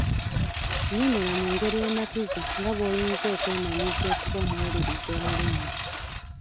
Nnyonnyola mu ngeri ematiza nga bw’oyinza okwemanyiiza okuba omuwuliriza omulungi.